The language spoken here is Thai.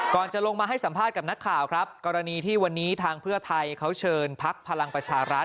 จะลงมาให้สัมภาษณ์กับนักข่าวครับกรณีที่วันนี้ทางเพื่อไทยเขาเชิญพักพลังประชารัฐ